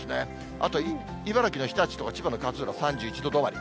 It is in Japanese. あとは茨城の日立とか、千葉の勝浦３１度止まり。